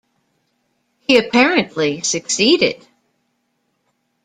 He apparently succeeded.